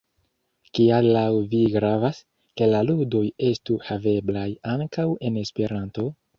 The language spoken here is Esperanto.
Kial laŭ vi gravas, ke la ludoj estu haveblaj ankaŭ en Esperanto?